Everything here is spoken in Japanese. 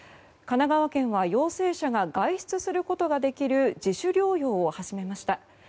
神奈川県は陽性者が外出することができる自主療養を始めました。